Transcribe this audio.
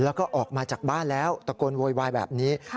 แล้วก็ออกมาจากบ้านแล้วตะโกนโวยวายแบบนี้